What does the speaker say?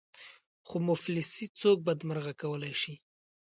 خو مفلسي څوک بدمرغه کولای شي.